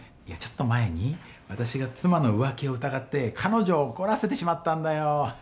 いやちょっと前に私が妻の浮気を疑って彼女を怒らせてしまったんだよ。